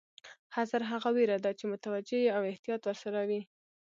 حذر هغه وېره ده چې متوجه یې او احتیاط ورسره وي.